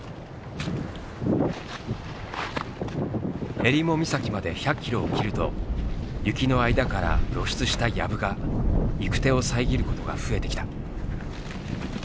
襟裳岬まで１００キロを切ると雪の間から露出したやぶが行く手を遮ることが増えてきた。